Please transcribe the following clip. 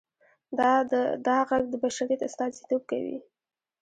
دا غږ د بشریت استازیتوب کوي.